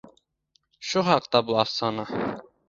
Shu haqda bu afsona.